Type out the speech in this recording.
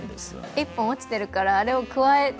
一本落ちてるからあれをくわえて